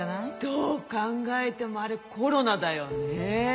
どう考えてもあれコロナだよねえ。